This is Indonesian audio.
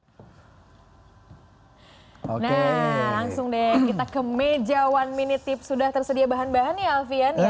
hai oke langsung deh kita ke meja one minute tips sudah tersedia bahan bahan ya alvian ya